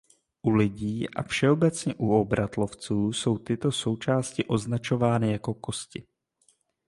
U lidí a všeobecně u obratlovců jsou tyto součásti označovány jako kosti.